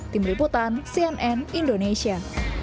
tim liputan cnn indonesia